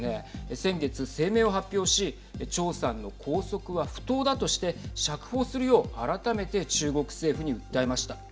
先月、声明を発表し張さんの拘束は不当だとして釈放するよう改めて中国政府に訴えました。